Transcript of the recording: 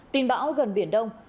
tình bão gần biển đông